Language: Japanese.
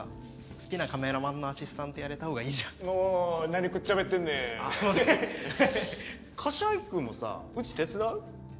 好きなカメラマンのアシスタントやれた方がいいじゃんおい何くっちゃべってんねんすいません柏木君もさうち手伝う？